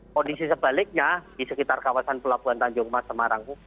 kondisi sebaliknya di sekitar kawasan pelabuhan tanjung mas semarang